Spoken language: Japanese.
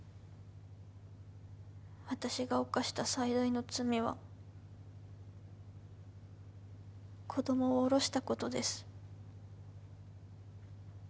私が犯した最大の罪は子供をおろしたことです。